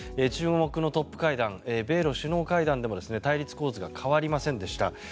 注目のトップ会談米ロ首脳会談でも対立構図が変わりませんでした。